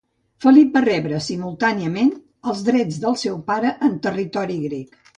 Felip va rebre simultàniament els drets del seu pare en territori grec.